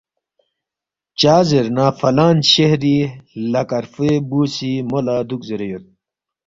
چازیرنہ فلان شہری ہلہ کرفوے بُو سی مو لہ دُوک زیرے یود